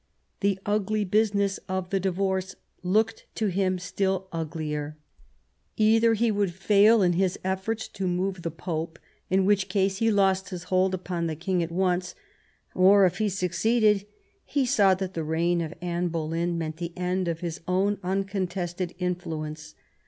The ugly business of the divorce looked to him still uglier. 170 THOMAS WOLSEY chap. Either he would fail in his efforts to move the Pope, in which case he lost his hold upon the king at once, or, if he succeeded, he saw that the reign of Anne Boleyn meant the end of his own uncontested influence.